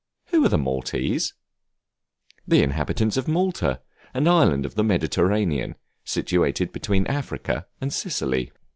Who are the Maltese? The inhabitants of Malta, an island of the Mediterranean, situated between Africa and Sicily.